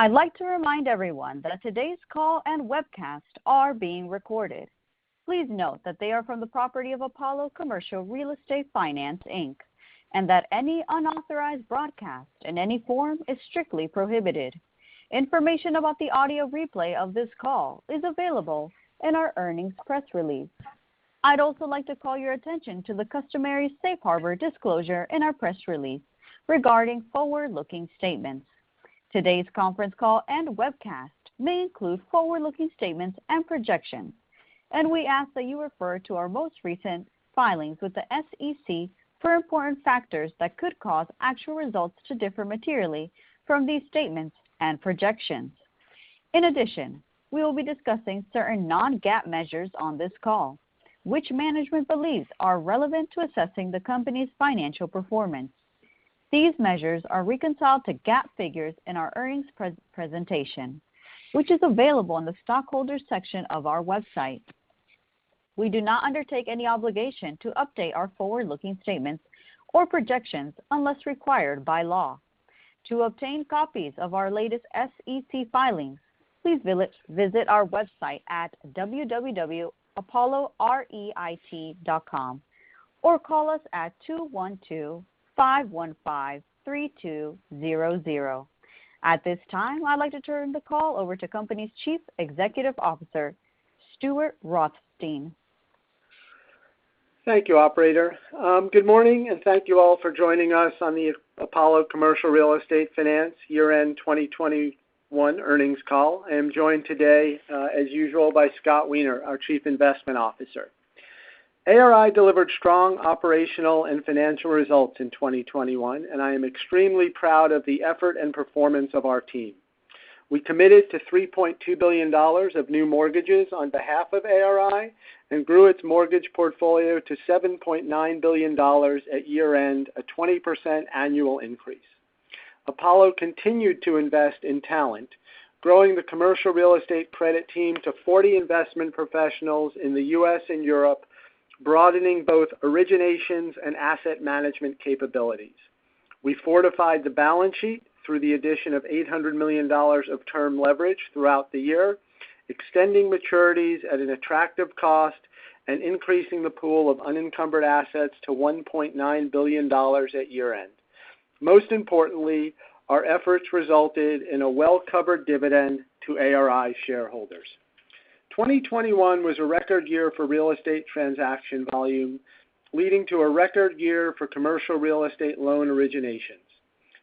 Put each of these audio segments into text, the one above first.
I'd like to remind everyone that today's call and webcast are being recorded. Please note that they are the property of Apollo Commercial Real Estate Finance, Inc., and that any unauthorized broadcast in any form is strictly prohibited. Information about the audio replay of this call is available in our earnings press release. I'd also like to call your attention to the customary safe harbor disclosure in our press release regarding forward-looking statements. Today's conference call and webcast may include forward-looking statements and projections and we ask that you refer to our most recent filings with the SEC for important factors that could cause actual results to differ materially from these statements and projections. In addition, we will be discussing certain non-GAAP measures on this call which management believes are relevant to assessing the company's financial performance. These measures are reconciled to GAAP figures in our earnings presentation which is available on the shareholder section of our website. We do not undertake any obligation to update our forward-looking statements or projections unless required by law. To obtain copies of our latest SEC filings, please visit our website at www.apolloreit.com or call us at 212-515-3200. At this time, I'd like to turn the call over to the company's Chief Executive Officer, Stuart Rothstein. Thank you, operator. Good morning, and thank you all for joining us on the Apollo Commercial Real Estate Finance Year-End 2021 Earnings Call. I am joined today, as usual by Scott Wiener, our Chief Investment Officer. ARI delivered strong operational and financial results in 2021 and I am extremely proud of the effort and performance of our team. We committed to $3.2 billion of new mortgages on behalf of ARI and grew its mortgage portfolio to $7.9 billion at year-end, a 20% annual increase. Apollo continued to invest in talent, growing the commercial real estate credit team to 40 investment professionals in the U.S. and Europe, broadening both originations and asset management capabilities. We fortified the balance sheet through the addition of $800 million of term leverage throughout the year, extending maturities at an attractive cost and increasing the pool of unencumbered assets to $1.9 billion at year-end. Most importantly, our efforts resulted in a well-covered dividend to ARI shareholders. 2021 was a record year for real estate transaction volume, leading to a record year for commercial real estate loan originations.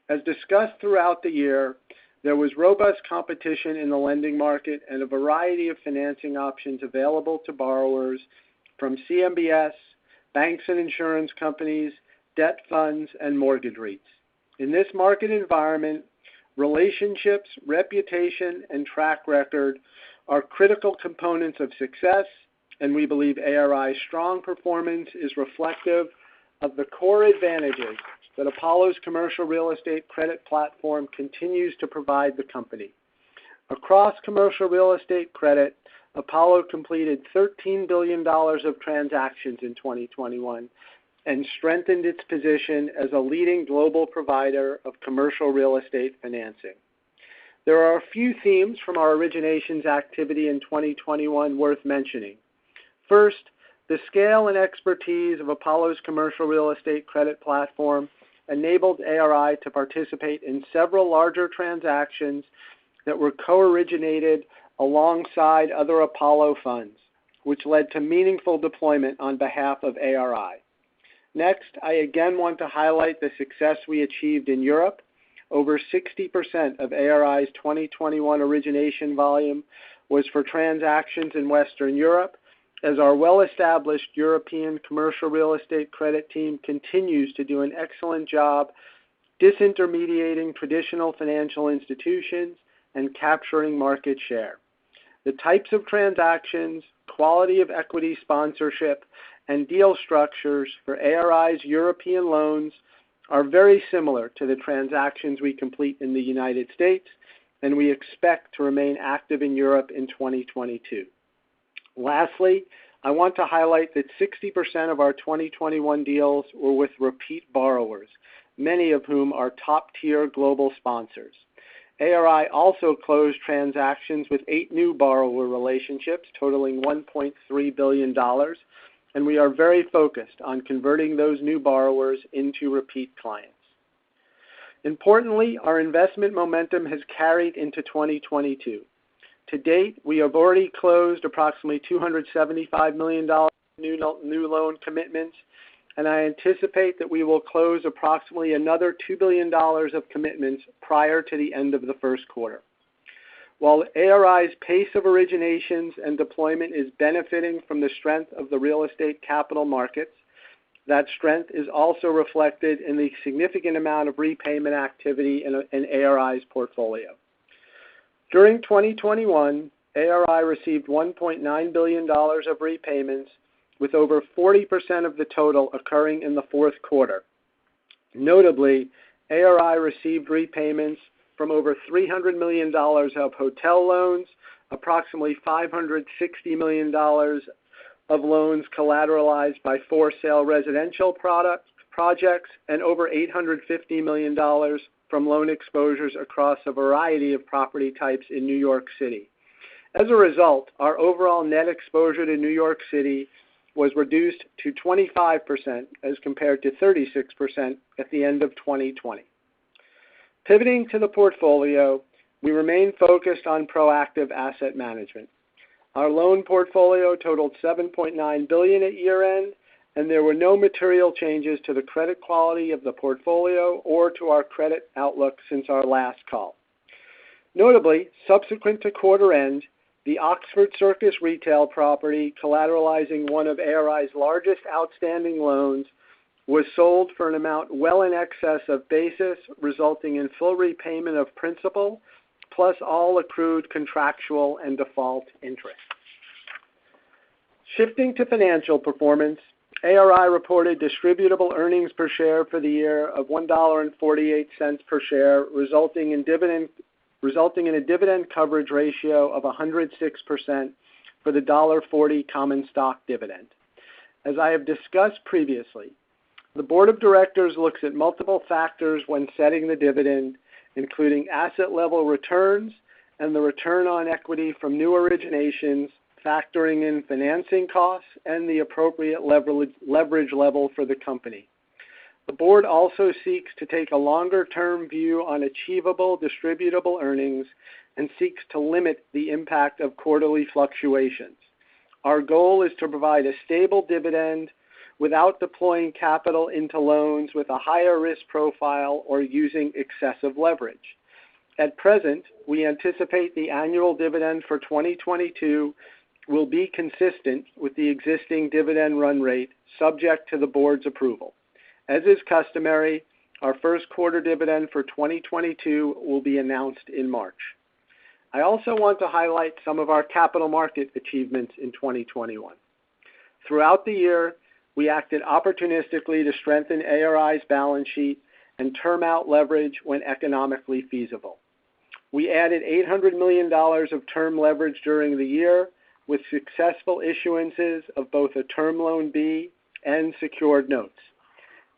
As discussed throughout the year, there was robust competition in the lending market and a variety of financing options available to borrowers from CMBS, banks and insurance companies, debt funds and mortgage REITs. In this market environment, relationships, reputation and track record are critical components of success, and we believe ARI's strong performance is reflective of the core advantages that Apollo's commercial real estate credit platform continues to provide the company. Across commercial real estate credit, Apollo completed $13 billion of transactions in 2021 and strengthened its position as a leading global provider of commercial real estate financing. There are a few themes from our originations activity in 2021 worth mentioning. First, the scale and expertise of Apollo's commercial real estate credit platform enabled ARI to participate in several larger transactions that were co-originated alongside other Apollo funds, which led to meaningful deployment on behalf of ARI. Next, I again want to highlight the success we achieved in Europe. Over 60% of ARI's 2021 origination volume was for transactions in Western Europe as our well-established European commercial real estate credit team continues to do an excellent job disintermediating traditional financial institutions and capturing market share. The types of transactions, quality of equity sponsorship and deal structures for ARI's European loans are very similar to the transactions we complete in the United States and we expect to remain active in Europe in 2022. Lastly, I want to highlight that 60% of our 2021 deals were with repeat borrowers, many of whom are top-tier global sponsors. ARI also closed transactions with eight new borrower relationships totalling $1.3 billion and we are very focused on converting those new borrowers into repeat clients. Importantly, our investment momentum has carried into 2022. To date, we have already closed approximately $275 million in new loan commitments and I anticipate that we will close approximately another $2 billion of commitments prior to the end of the first quarter. While ARI's pace of originations and deployment is benefiting from the strength of the real estate capital markets, that strength is also reflected in the significant amount of repayment activity in ARI's portfolio. During 2021, ARI received $1.9 billion of repayments with over 40% of the total occurring in the fourth quarter. Notably, ARI received repayments from over $300 million of hotel loans, approximately $560 million of loans collateralized by for-sale residential products, projects and over $850 million from loan exposures across a variety of property types in New York City. As a result, our overall net exposure to New York City was reduced to 25% as compared to 36% at the end of 2020. Pivoting to the portfolio, we remain focused on proactive asset management. Our loan portfolio totalled $7.9 billion at year-end and there were no material changes to the credit quality of the portfolio or to our credit outlook since our last call. Notably, subsequent to quarter end, the Oxford Circus retail property collateralizing one of ARI's largest outstanding loans was sold for an amount well in excess of basis, resulting in full repayment of principal plus all accrued contractual and default interest. Shifting to financial performance, ARI reported distributable earnings per share for the year of $1.48 per share resulting in a dividend coverage ratio of 106% for the $1.40 common stock dividend. As I have discussed previously, the board of directors looks at multiple factors when setting the dividend including asset level returns and the return on equity from new originations, factoring in financing costs and the appropriate leverage level for the company. The board also seeks to take a longer-term view on achievable distributable earnings and seeks to limit the impact of quarterly fluctuations. Our goal is to provide a stable dividend without deploying capital into loans with a higher risk profile or using excessive leverage. At present, we anticipate the annual dividend for 2022 will be consistent with the existing dividend run rate subject to the board's approval. As is customary, our first quarter dividend for 2022 will be announced in March. I also want to highlight some of our capital market achievements in 2021. Throughout the year, we acted opportunistically to strengthen ARI's balance sheet and term out leverage when economically feasible. We added $800 million of term leverage during the year with successful issuances of both a term loan B and secured notes.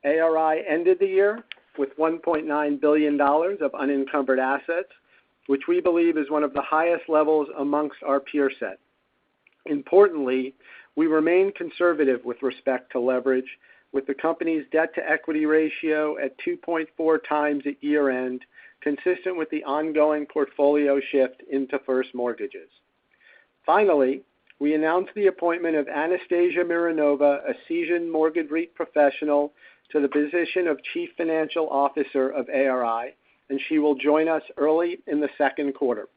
ARI ended the year with $1.9 billion of unencumbered assets which we believe is one of the highest levels amongst our peer set. Importantly, we remain conservative with respect to leverage with the company's debt-to-equity ratio at 2.4x at year-end, consistent with the ongoing portfolio shift into first mortgages. Finally, we announced the appointment of Anastasia Mironova, a seasoned mortgage REIT professional, to the position of Chief Financial Officer of ARI, and she will join us early in the second quarter.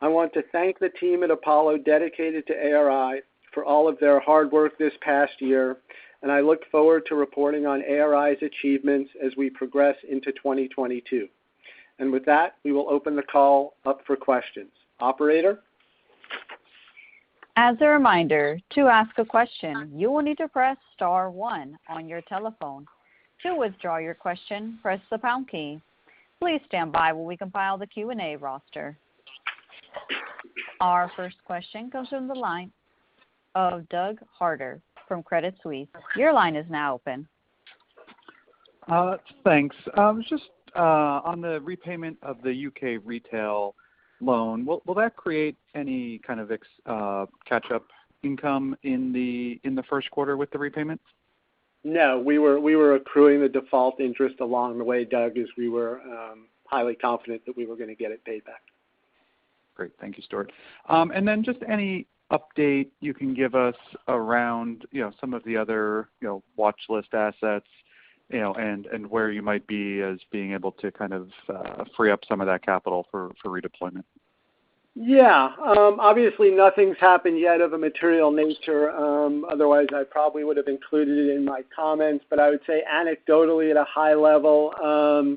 I want to thank the team at Apollo dedicated to ARI for all of their hard work this past year, and I look forward to reporting on ARI's achievements as we progress into 2022. With that, we will open the call up for questions. Operator? As a reminder, to ask a question, you will need to press star one on your telephone. To withdraw your question, press the pound key. Please stand by while we compile the Q&A roster. Our first question comes from the line of Doug Harter from Credit Suisse. Your line is now open. Thanks. Just on the repayment of the U.K. retail loan, will that create any kind of catch-up income in the first quarter with the repayments? No. We were accruing the default interest along the way, Doug, as we were highly confident that we were going to get it paid back. Great. Thank you, Stuart. Just any update you can give us around some of the other, you know, watchlist assets and where you might be as being able to free up some of that capital for redeployment. Yeah. Obviously nothing's happened yet of a material nature, otherwise I probably would have included it in my comments. I would say anecdotally at a high level.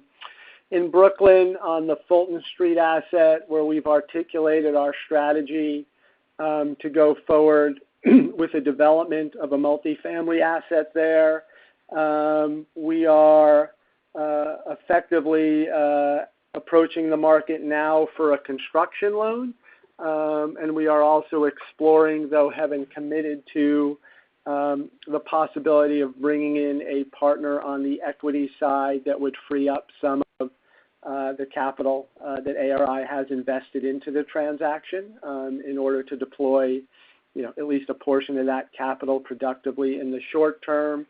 In Brooklyn on the Fulton Street asset where we've articulated our strategy to go forward with the development of a multifamily asset there, we are effectively approaching the market now for a construction loan. We are also exploring, though having committed to the possibility of bringing in a partner on the equity side that would free up some of the capital that ARI has invested into the transaction, in order to deploy at least a portion of that capital productively in the short term.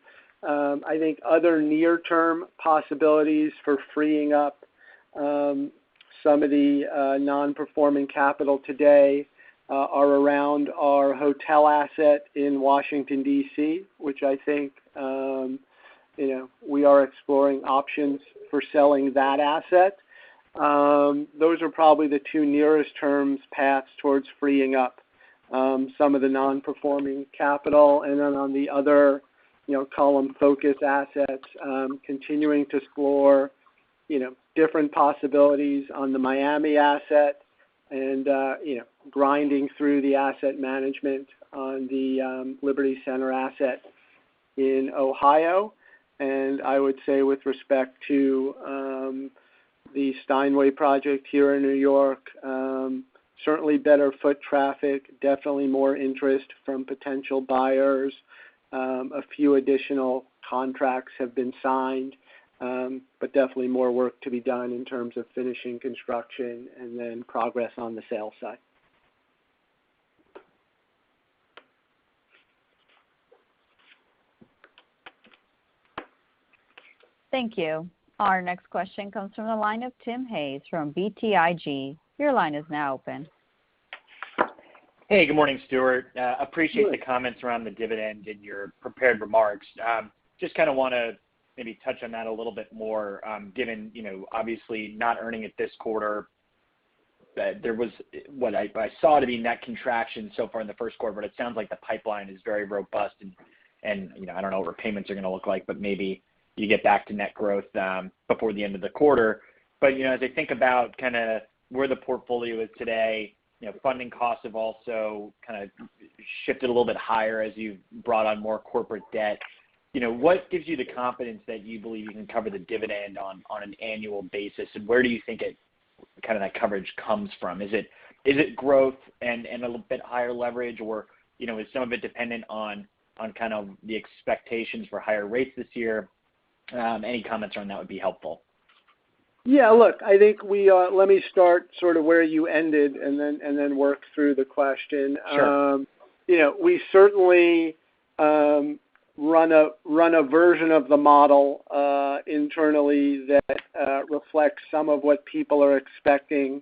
I think other near-term possibilities for freeing up some of the non-performing capital today are around our hotel asset in Washington, D.C., which I think you know we are exploring options for selling that asset. Those are probably the two nearest-term paths towards freeing up some of the non-performing capital. On the other you know non-core assets, continuing to explore you know different possibilities on the Miami asset and you know grinding through the asset management on the Liberty Center asset in Ohio. I would say with respect to the Steinway project here in New York, certainly better foot traffic, definitely more interest from potential buyers. A few additional contracts have been signed but definitely more work to be done in terms of finishing construction and then progress on the sales side. Thank you. Our next question comes from the line of Tim Hayes from BTIG. Your line is now open. Hey, good morning, Stuart. Sure. I appreciate the comments around the dividend in your prepared remarks. Just wanna maybe touch on that a little bit more, given you know obviously not earning it this quarter, that there was. I saw there to be net contraction so far in the first quarter but it sounds like the pipeline is very robust and you know, I don't know what payments are gonna look like but maybe you get back to net growth before the end of the quarter. You know as I think about where the portfolio is today, funding costs have also shifted a little bit higher as you've brought on more corporate debt. You know, what gives you the confidence that you believe you can cover the dividend on an annual basis and where do you think it,- Kind of, that coverage comes from? Is it growth and a little bit higher leverage or you know, is some of it dependent on the expectations for higher rates this year? Any comments on that would be helpful. Yeah, look. Let me start where you ended and then work through the question. Sure. We certainly run a version of the model internally that reflects some of what people are expecting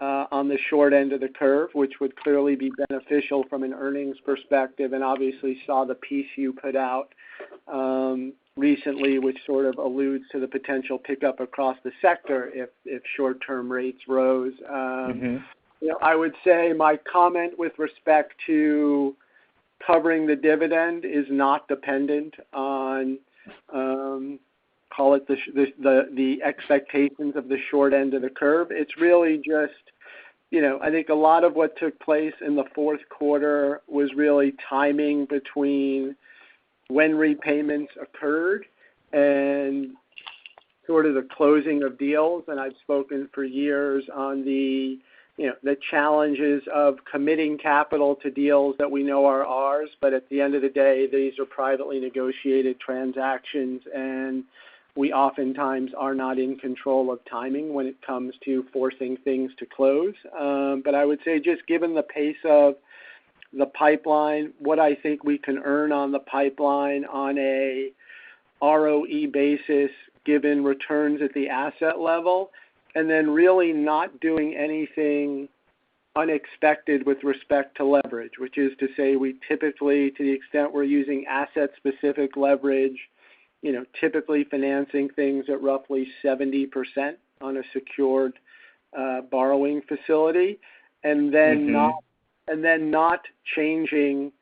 on the short end of the curve which would clearly be beneficial from an earnings perspective and obviously saw the piece you put out recently which alludes to the potential pickup across the sector if short-term rates rose. Mm-hmm. I would say my comment with respect to covering the dividend is not dependent on, call it the expectations of the short end of the curve. It's really just, you know, I think a lot of what took place in the fourth quarter was really timing between when repayments occurred and sort of the closing of deals and I've spoken for years on the, you know, the challenges of committing capital to deals that we know are ours but at the end of the day, these are privately negotiated transactions and we oftentimes are not in control of timing when it comes to forcing things to close. I would say just given the pace of the pipeline, what I think we can earn on the pipeline on a ROE basis, given returns at the asset level, and then really not doing anything unexpected with respect to leverage which is to say we typically, to the extent we're using asset-specific leverage, you know, typically financing things at roughly 70% on a secured borrowing facility. Mm-hmm. Not changing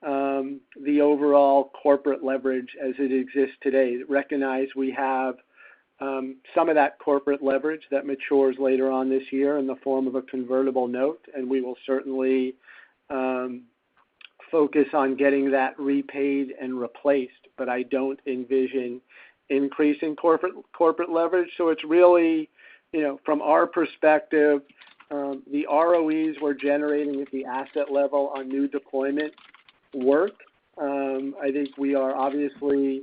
the overall corporate leverage as it exists today. Recognize we have some of that corporate leverage that matures later on this year in the form of a convertible note and we will certainly focus on getting that repaid and replaced. I don't envision increasing corporate leverage. It's really, you know, from our perspective, the ROEs we're generating at the asset level on new deployment work. I think we are obviously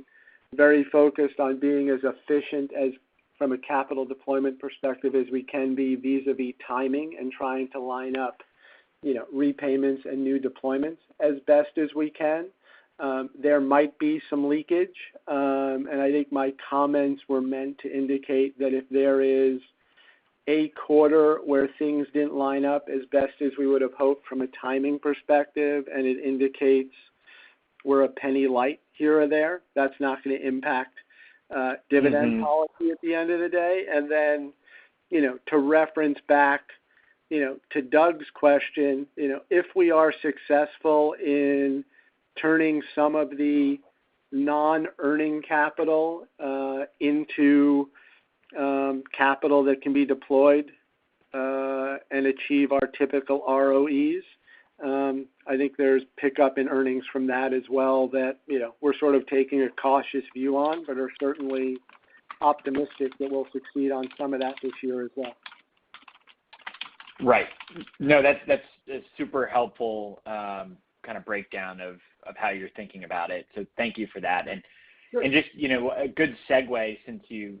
very focused on being as efficient as from a capital deployment perspective as we can be vis-a-vis timing and trying to line up, you know, repayments and new deployments as best as we can. There might be some leakage and I think my comments were meant to indicate that if there is a quarter where things didn't line up as best as we would have hoped from a timing perspective and it indicates we're a penny light here or there, that's not gonna impact- Mm-hmm. Dividend policy at the end of the day. you know, to reference back, you know, to Doug's question, you know, if we are successful in turning some of the non-earning capital into capital that can be deployed and achieve our typical ROEs, I think there's pickup in earnings from that as well that, you know, we're sort of taking a cautious view on, but are certainly optimistic that we'll succeed on some of that this year as well. Right. No, that's super helpful, kind of breakdown of how you're thinking about it, so thank you for that. Sure. Just, you know, a good segue since you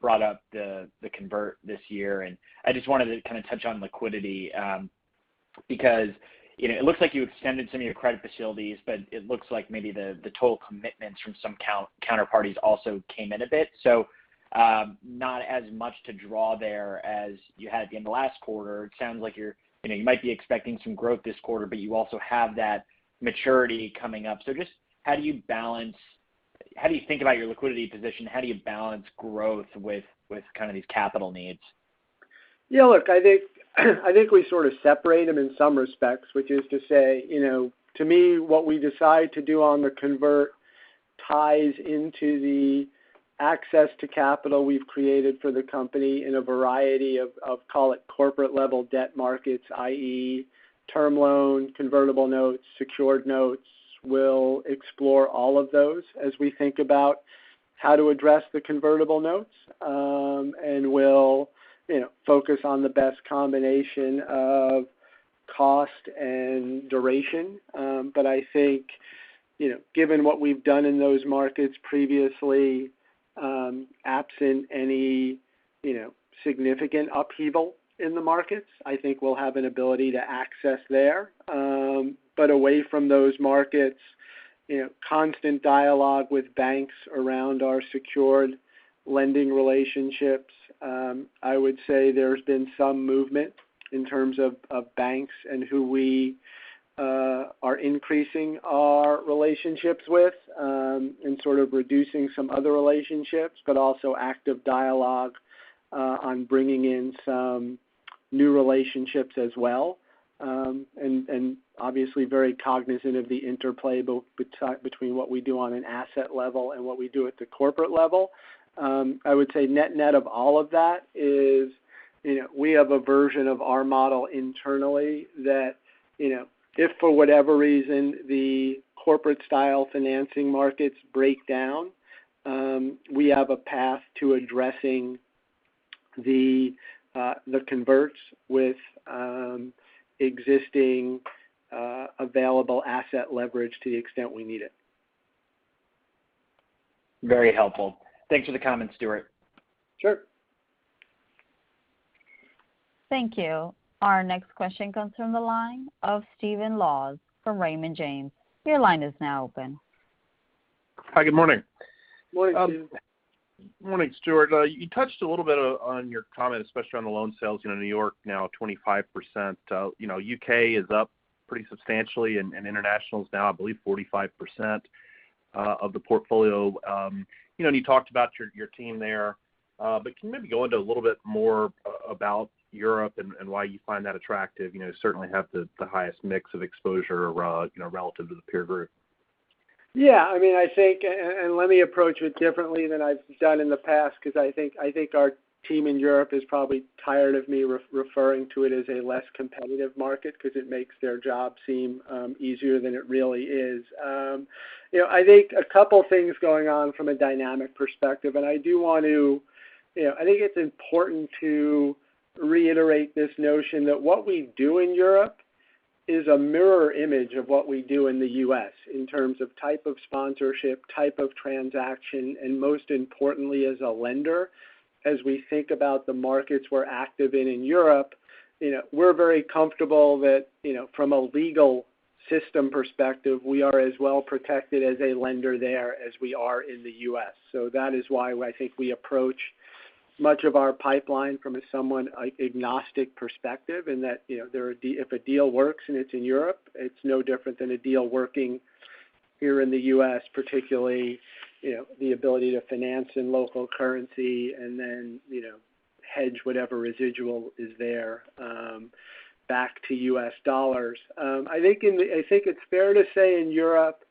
brought up the convert this year, and I just wanted to kind of touch on liquidity because, you know, it looks like you extended some of your credit facilities but it looks like maybe the total commitments from some counterparties also came in a bit. Not as much to draw there as you had in the last quarter. It sounds like you're, you might be expecting some growth this quarter but you also have that maturity coming up. Just how do you balance? How do you think about your liquidity position? How do you balance growth with kind of these capital needs? Yeah, look, I think we separate them in some respects, which is to say, you know, to me, what we decide to do on the convertible ties into the access to capital we've created for the company in a variety of, call it corporate level debt markets, i.e., term loans, convertible notes, secured notes. We'll explore all of those as we think about how to address the convertible notes. We'll, you know, focus on the best combination of cost and duration. I think, you know, given what we've done in those markets previously, absent any, you know, significant upheaval in the markets, I think we'll have an ability to access there. Away from those markets, constant dialogue with banks around our secured lending relationships. I would say there's been some movement in terms of banks and who we are increasing our relationships with and sort of reducing some other relationships but also active dialogue on bringing in some new relationships as well. And obviously very cognizant of the interplay between what we do on an asset level and what we do at the corporate level. I would say net-net of all of that is, you know, we have a version of our model internally that, you know, if for whatever reason the corporate style financing markets break down, we have a path to addressing the converts with existing available asset leverage to the extent we need it. Very helpful. Thanks for the comment, Stuart. Sure. Thank you. Our next question comes from the line of Stephen Laws from Raymond James. Your line is now open. Hi. Good morning. Morning, Stephen. Morning, Stuart. You touched a little bit on your comment especially, on the loan sales, you know, New York now 25%. You know, U.K. is up pretty substantially and international is now, I believe, 45% of the portfolio. And you talked about your team there but can you maybe go into a little bit more about Europe and why you find that attractive? You certainly have the highest mix of exposure relative to the peer group. Yeah. I mean, I think. Let me approach it differently than I've done in the past because I think our team in Europe is probably tired of me referring to it as a less competitive market because it makes their job seem easier than it really is. You know, I think a couple things going on from a dynamic perspective and I do want to. You know, I think it's important to reiterate this notion that what we do in Europe is a mirror image of what we do in the U.S. in terms of type of sponsorship, type of transaction and most importantly, as a lender as we think about the markets we're active in in Europe. You know, we're very comfortable that, you know, from a legal system perspective, we are as well protected as a lender there as we are in the U.S. That is why I think we approach much of our pipeline from a somewhat agnostic perspective in that, you know, if a deal works and it's in Europe, it's no different than a deal working here in the U.S., particularly, you know, the ability to finance in local currency and then, you know, hedge whatever residual is there, back to US dollars. I think it's fair to say in Europe,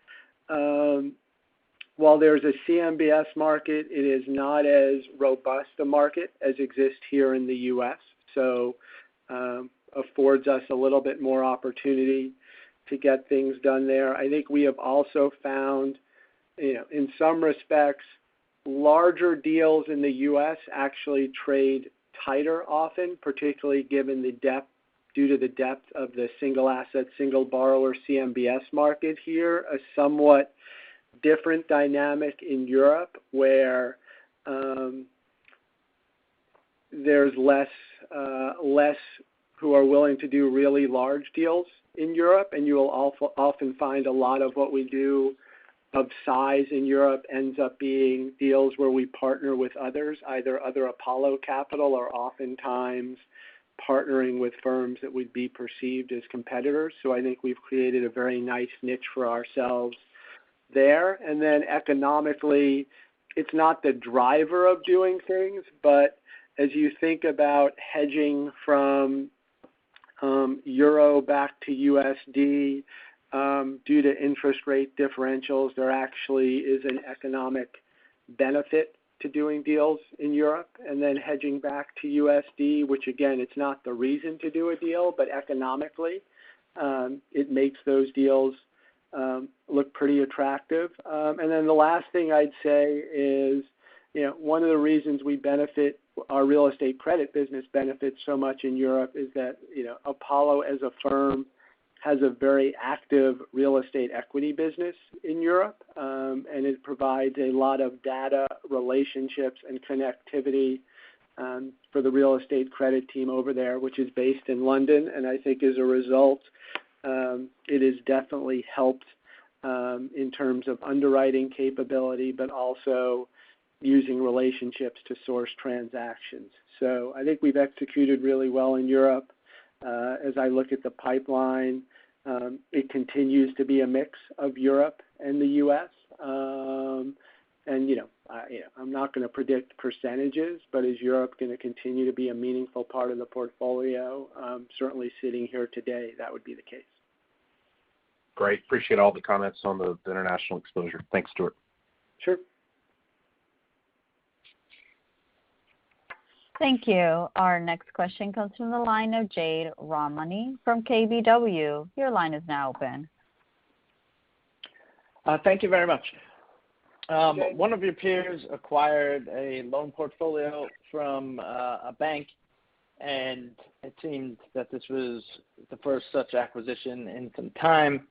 while there's a CMBS market, it is not as robust a market as exists here in the U.S., so affords us a little bit more opportunity to get things done there. I think we have also found in some respects, larger deals in the U.S. actually trade tighter often particularly, due to the depth of the single asset, single borrower CMBS market here. A somewhat different dynamic in Europe where there's less who are willing to do really large deals in Europe, and you'll often find a lot of what we do of size in Europe ends up being deals where we partner with others either other Apollo Capital or oftentimes partnering with firms that would be perceived as competitors. I think we've created a very nice niche for ourselves there. Economically, it's not the driver of doing things but as you think about hedging from Euro back to USD due to interest rate differentials, there actually is an economic benefit to doing deals in Euros and then hedging back to USD, which again, it's not the reason to do a deal but economically, it makes those deals look pretty attractive. The last thing I'd say is, you know, one of the reasons our real estate credit business benefits so much in Europe is that, you know, Apollo as a firm has a very active real estate equity business in Europe and it provides a lot of data, relationships, and connectivity for the real estate credit team over there which is based in London. I think as a result, it has definitely helped in terms of underwriting capability but also using relationships to source transactions. I think we've executed really well in Europe. As I look at the pipeline, it continues to be a mix of Europe and the U.S. I'm not gonna predict percentages but is Europe gonna continue to be a meaningful part of the portfolio? Certainly sitting here today, that would be the case. Great. Appreciate all the comments on the international exposure. Thanks, Stuart. Sure. Thank you. Our next question comes from the line of Jade Rahmani from KBW. Your line is now open. Thank you very much. One of your peers acquired a loan portfolio from a bank and it seemed that this was the first such acquisition in some time.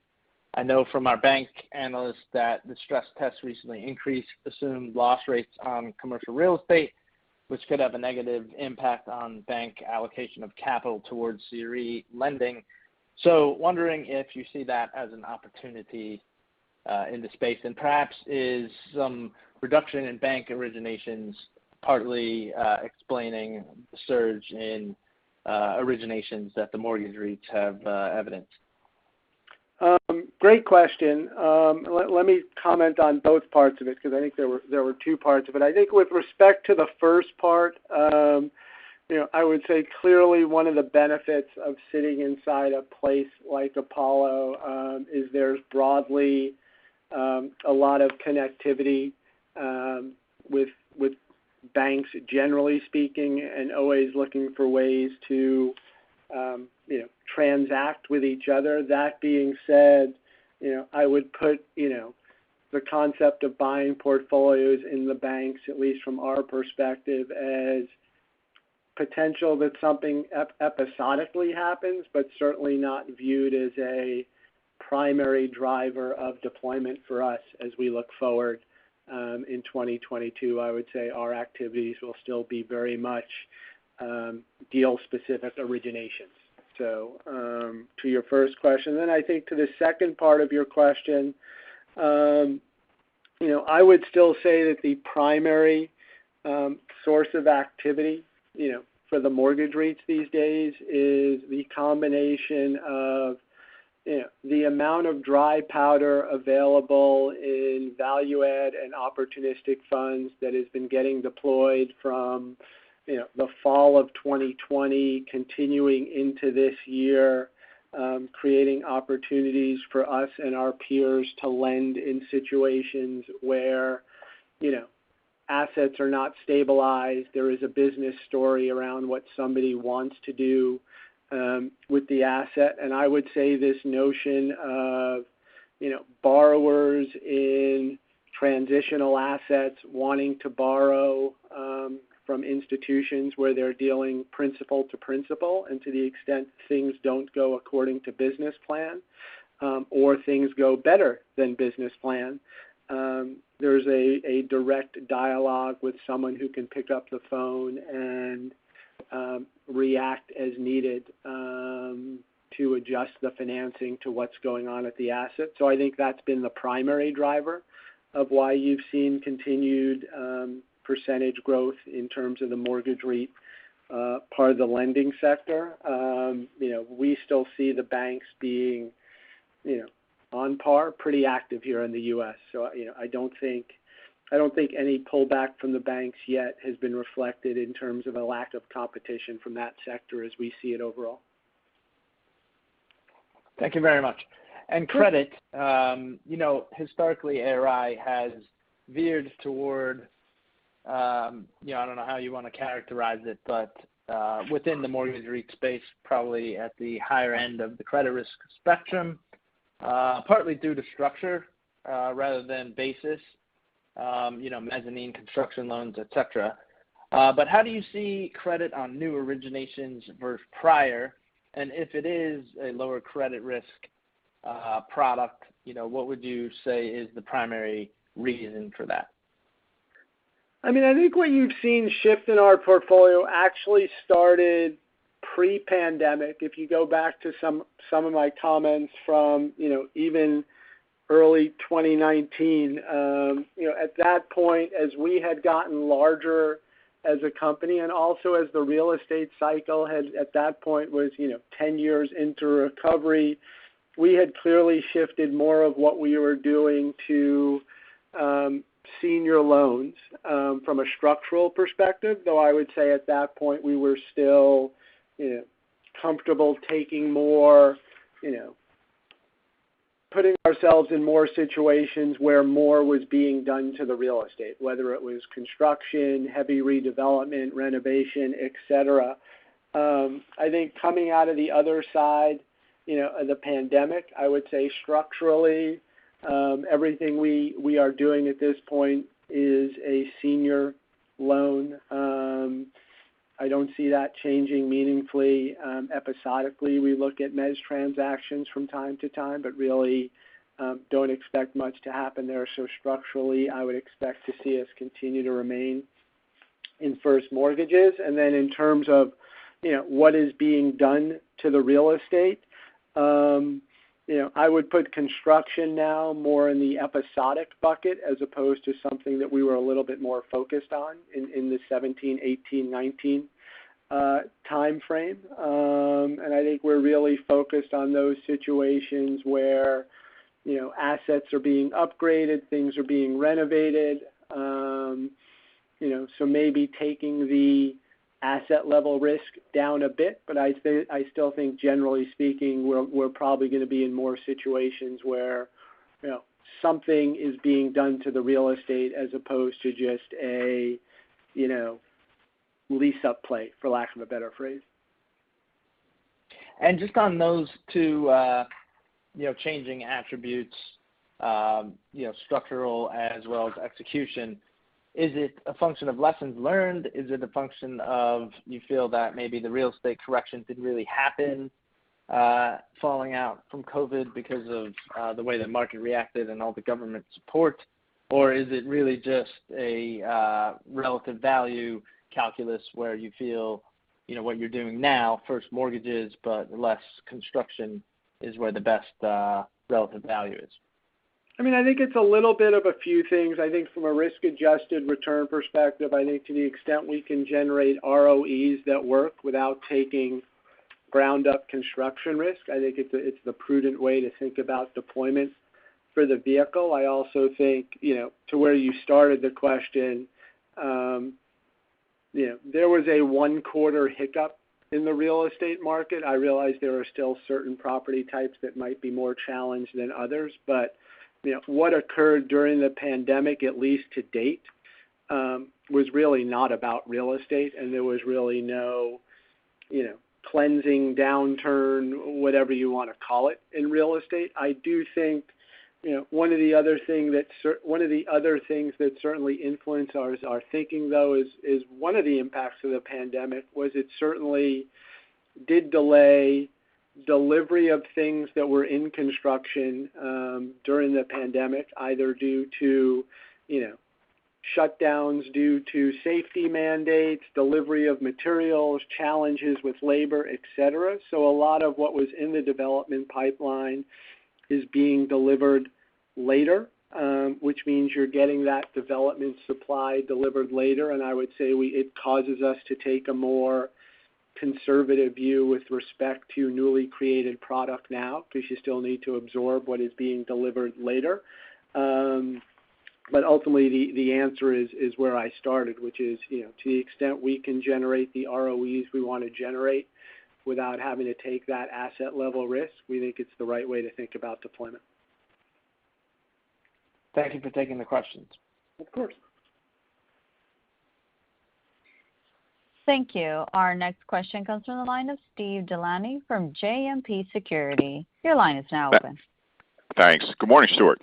I know from our bank analyst that the stress test recently increased assumed loss rates on commercial real estate which could have a negative impact on bank allocation of capital towards CRE lending. Wondering if you see that as an opportunity in the space and perhaps is some reduction in bank originations partly explaining the surge in originations that the mortgage REITs have evidenced. Great question. Let me comment on both parts of it because I think there were two parts of it. I think with respect to the first part, you know, I would say clearly one of the benefits of sitting inside a place like Apollo is there's broadly a lot of connectivity with banks generally speaking and always looking for ways to, you know, transact with each other. That being said, you know, I would put the concept of buying portfolios in the banks at least from our perspective, as potential that something episodically happens but certainly not viewed as a primary driver of deployment for us as we look forward in 2022. I would say our activities will still be very much deal-specific originations. To your first question. I think to the second part of your question, you know, I would still say that the primary source of activity, you know, for the mortgage rates these days is the combination of, you know, the amount of dry powder available in value add and opportunistic funds that has been getting deployed from, you know, the fall of 2020 continuing into this year, creating opportunities for us and our peers to lend in situations where, you know, assets are not stabilized. There is a business story around what somebody wants to do with the asset. I would say this notion of, you know, borrowers in transitional assets wanting to borrow from institutions where they're dealing principal to principal and to the extent things don't go according to business plan or things go better than business plan, there's a direct dialogue with someone who can pick up the phone and react as needed to adjust the financing to what's going on at the asset. I think that's been the primary driver of why you've seen continued percentage growth in terms of the mortgage REIT part of the lending sector. You know, we still see the banks being, you know, on par, pretty active here in the U.S. I don't think any pullback from the banks yet has been reflected in terms of a lack of competition from that sector as we see it overall. Thank you very much. Credit, you know, historically, ARI has veered toward, you know, I don't know how you want to characterize it but within the mortgage REIT space probably, at the higher end of the credit risk spectrum, partly due to structure rather than basis, you know, Mezzanine construction loans, et cetera. How do you see credit on new originations versus prior? If it is a lower credit risk product, you know, what would you say is the primary reason for that? I mean, I think what you've seen shift in our portfolio actually started pre-pandemic. If you go back to some of my comments from, you know, even early 2019, you know, at that point, as we had gotten larger as a company and also as the real estate cycle had at that point was, you know, 10 years into recovery, we had clearly shifted more of what we were doing to senior loans from a structural perspective though I would say at that point we were still, you know, comfortable taking more, you know, putting ourselves in more situations where more was being done to the real estate whether it was construction, heavy redevelopment, renovation, et cetera. I think coming out of the other side, you know, of the pandemic, I would say structurally everything we are doing at this point is a senior loan. I don't see that changing meaningfully. Episodically, we look at mezz transactions from time to time, but really, don't expect much to happen there. Structurally, I would expect to see us continue to remain in first mortgages. In terms of, you know, what is being done to the real estate, you know, I would put construction now more in the episodic bucket as opposed to something that we were a little bit more focused on in the 2017, 2018, 2019 timeframe. I think we're really focused on those situations where, you know, assets are being upgraded, things are being renovated, you know. Maybe taking the asset-level risk down a bit, but I still think generally speaking, we're probably gonna be in more situations where, you know, something is being done to the real estate as opposed to just a, you know, lease-up play, for lack of a better phrase. Just on those two, you know, changing attributes, you know, structural as well as execution, is it a function of lessons learned? Is it a function of you feel that maybe the real estate correction didn't really happen, falling out from COVID because of the way the market reacted and all the government support or is it really just a relative value calculus where you feel, you know, what you're doing now, first mortgages but less construction is where the best relative value is? I mean, I think it's a little bit of a few things. I think from a risk-adjusted return perspective, I think to the extent we can generate ROEs that work without taking ground up construction risk, I think it's the prudent way to think about deployment for the vehicle. I also think, you know, to where you started the question, you know, there was a one quarter hiccup in the real estate market. I realize there are still certain property types that might be more challenged than others. You know, what occurred during the pandemic at least to date, was really not about real estate and there was really no, you know, cleansing downturn, whatever you wanna call it, in real estate. I do think, you know, one of the other things that certainly influenced our thinking though is one of the impacts of the pandemic was it certainly did delay delivery of things that were in construction during the pandemic, either due to, you know, shutdowns, due to safety mandates, delivery of materials, challenges with labor, et cetera. So a lot of what was in the development pipeline is being delivered later which means you're getting that development supply delivered later. I would say it causes us to take a more conservative view with respect to newly created product now because you still need to absorb what is being delivered later. Ultimately, the answer is where I started which is, you know, to the extent we can generate the ROEs we wanna generate without having to take that asset level risk, we think it's the right way to think about deployment. Thank you for taking the questions. Of course. Thank you. Our next question comes from the line of Steve DeLaney from JMP Securities. Your line is now open. Thanks. Good morning, Stuart.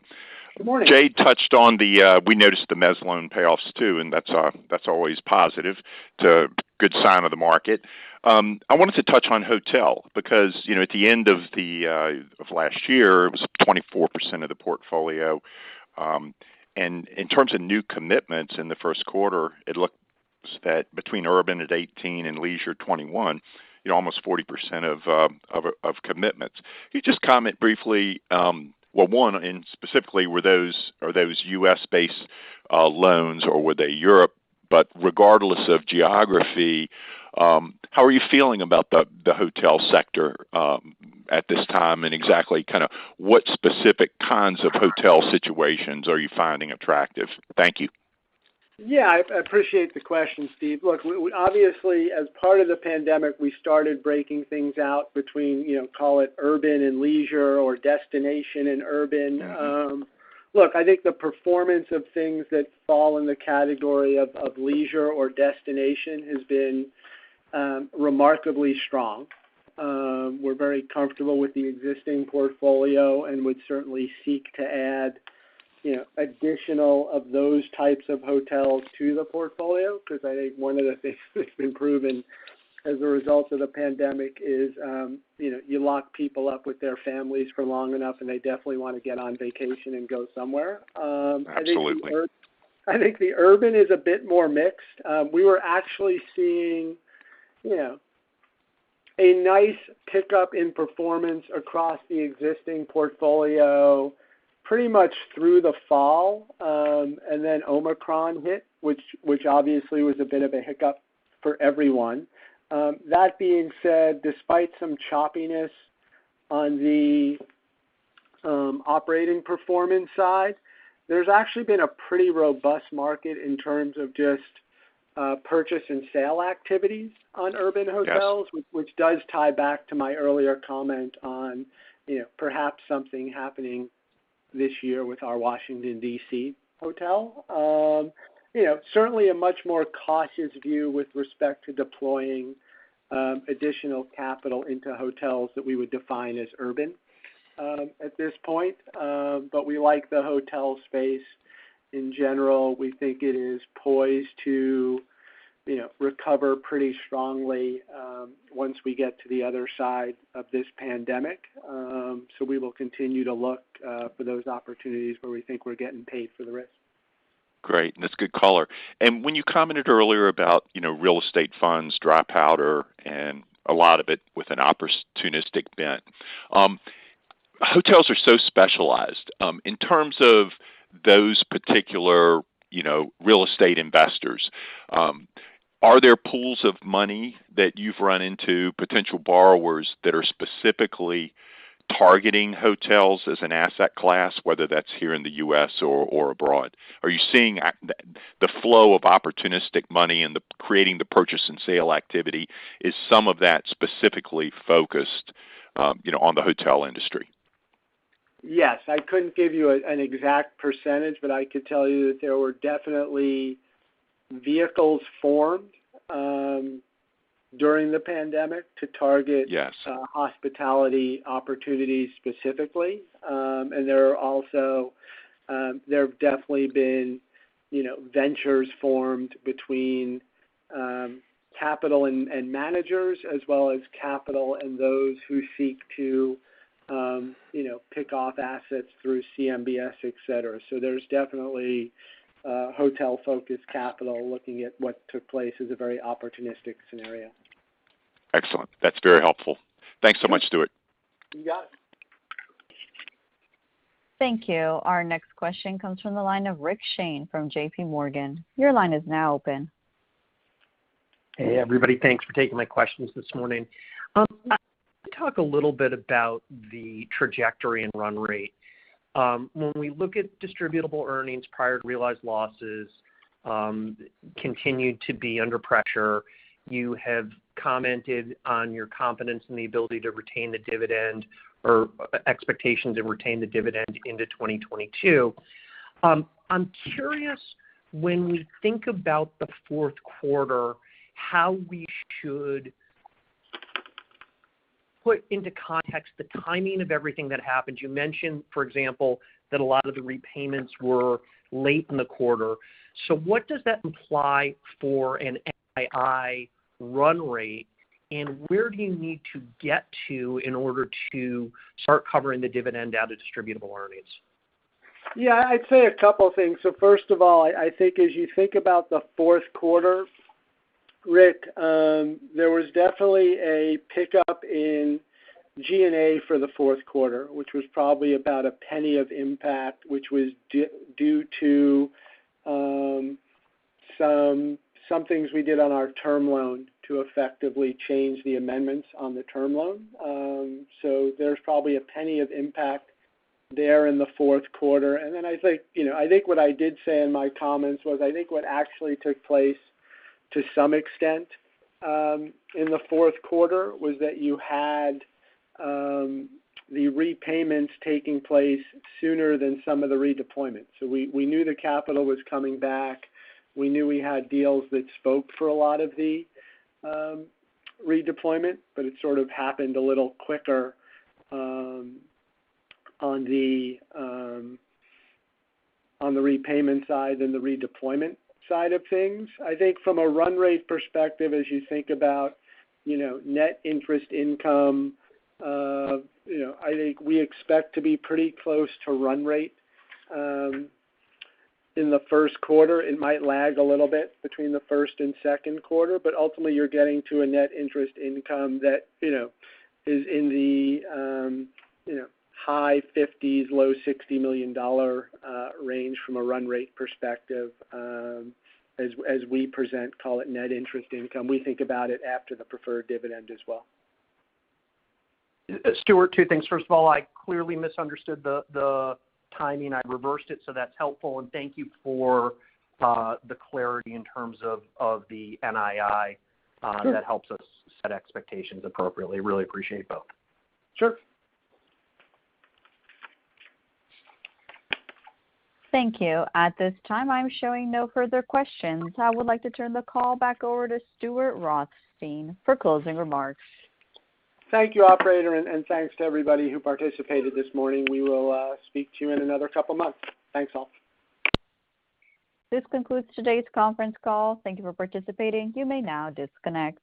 Good morning. Jade touched on the, we noticed the mezzanine payoffs too and that's always positive. It's a good sign of the market. I wanted to touch on hotel because, you know, at the end of last year, it was 24% of the portfolio. And in terms of new commitments in the first quarter, it looks like between urban at 18 and leisure 21, almost 40% of commitments. Can you just comment briefly, one and specifically are those U.S.-based loans or were they Europe? Regardless of geography, how are you feeling about the hotel sector at this time and exactly kinda what specific kinds of hotel situations are you finding attractive? Thank you. Yeah. I appreciate the question, Steve. Look, we obviously, as part of the pandemic we started breaking things out between, you know, call it urban and leisure or destination and urban. Look, I think the performance of things that fall in the category of leisure or destination has been remarkably strong. We're very comfortable with the existing portfolio and would certainly seek to add, you know, additional of those types of hotels to the portfolio because I think one of the things that's been proven as a result of the pandemic is, you know, you lock people up with their families for long enough and they definitely wanna get on vacation and go somewhere. Absolutely. I think the urban is a bit more mixed. We were actually seeing, you know, a nice pickup in performance across the existing portfolio pretty much through the fall. Omicron hit, which obviously was a bit of a hiccup for everyone. That being said, despite some choppiness on the operating performance side, there's actually been a pretty robust market in terms of just purchase and sale activities on urban hotels. Yes Which does tie back to my earlier comment on, you know, perhaps something happening this year with our Washington, D.C. hotel. You know, certainly a much more cautious view with respect to deploying additional capital into hotels that we would define as urban at this point but we like the hotel space in general. We think it is poised to, you know, recover pretty strongly once we get to the other side of this pandemic. We will continue to look for those opportunities where we think we're getting paid for the risk. Great. That's a good color. When you commented earlier about, you know, real estate funds, dry powder and a lot of it with an opportunistic [bent]. Hotels are so specialized. In terms of those particular, you know, real estate investors, are there pools of money that you've run into potential borrowers that are specifically targeting hotels as an asset class, whether that's here in the U.S. or abroad? Are you seeing the flow of opportunistic money and the creation of the purchase and sale activity, is some of that specifically focused on the hotel industry? Yes. I couldn't give you an exact percentage but I could tell you that there were definitely vehicles formed during the pandemic to target. Yes Hospitality opportunities specifically. There have definitely been, you know, ventures formed between capital and managers as well as capital and those who seek to, you know, pick off assets through CMBS, et cetera. There's definitely hotel-focused capital looking at what took place as a very opportunistic scenario. Excellent. That's very helpful. Thanks so much, Stuart. You got it. Thank you. Our next question comes from the line of Rick Shane from JPMorgan. Your line is now open. Hey, everybody. Thanks for taking my questions this morning. Talk a little bit about the trajectory and run rate. When we look at distributable earnings prior to realized losses, continued to be under pressure. You have commented on your confidence in the ability to retain the dividend or expectations to retain the dividend into 2022. I'm curious when we think about the fourth quarter, how we should put into context the timing of everything that happened. You mentioned, for example, that a lot of the repayments were late in the quarter. What does that imply for an NII run rate? And where do you need to get to in order to start covering the dividend out of distributable earnings? Yeah, I'd say a couple things. First of all, I think as you think about the fourth quarter, Rick, there was definitely a pickup in G&A for the fourth quarter, which was probably about $0.01 of impact which was due to some things we did on our term loan to effectively change the amendments on the term loan. There's probably $0.01 of impact there in the fourth quarter. Then I think, you know, I think what I did say in my comments was, I think what actually took place to some extent in the fourth quarter was that you had the repayments taking place sooner than some of the redeployments. We knew the capital was coming back. We knew we had deals that spoke for a lot of the redeployment but it sort of happened a little quicker on the repayment side than the redeployment side of things. I think from a run rate perspective, as you think about, you know, net interest income, I think we expect to be pretty close to run rate in the first quarter. It might lag a little bit between the first and second quarter but ultimately you're getting to a net interest income that, you know, is in the, you know, high 50, low 60 million-dollar range from a run rate perspective as we present call it net interest income. We think about it after the preferred dividend as well. Stuart, two things. First of all, I clearly misunderstood the timing. I reversed it, so that's helpful. Thank you for the clarity in terms of the NII. Sure. That helps us set expectations appropriately. We really appreciate both. Sure. Thank you. At this time, I'm showing no further questions. I would like to turn the call back over to Stuart Rothstein for closing remarks. Thank you, operator and thanks to everybody who participated this morning. We will speak to you in another couple of months. Thanks, all. This concludes today's conference call. Thank you for participating. You may now disconnect.